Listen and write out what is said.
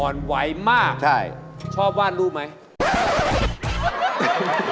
อ่อนไหวมากชอบวาดรูปไหมใช่